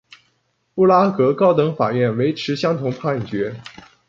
布拉格高等法院维持相同判决。